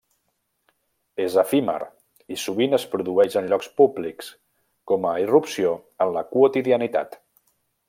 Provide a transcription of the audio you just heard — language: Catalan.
És efímer i sovint es produeix en llocs públics, com a irrupció en la quotidianitat.